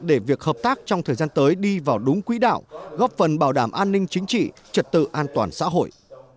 để việc hợp tác trong thời gian tới đi vào đúng quỹ đạo góp phần bảo đảm an ninh chính trị trật tự an toàn xã hội